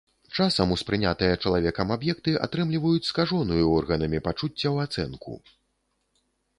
Часам успрынятыя чалавекам аб'екты атрымліваюць скажоную органамі пачуццяў ацэнку.